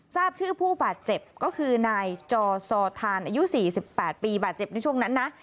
ทราบชื่อผู้บาดเจ็บก็คือนายจอซอทานอายุ๔๘ปีบาดเจ็บในช่วงนั้นนะ